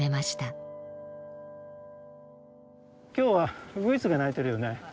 今日はウグイスが鳴いてるよね。